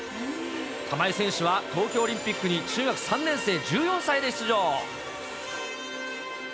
玉井選手は東京オリンピックに中学３年生、１４歳で出場。